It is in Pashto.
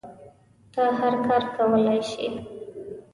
ته هر کار کولی شی